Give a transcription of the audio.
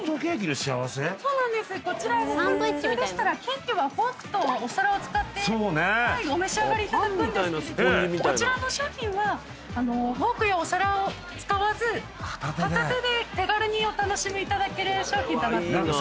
そうなんですこちら普通でしたらケーキはフォークとお皿を使ってお召し上がりいただくんですけれどこちらの商品はフォークやお皿を使わず片手で手軽にお楽しみいただける商品となっております。